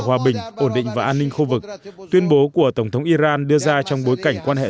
hòa bình ổn định và an ninh khu vực tuyên bố của tổng thống iran đưa ra trong bối cảnh quan hệ